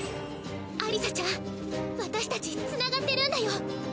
アリサちゃん私たちつながってるんだよ。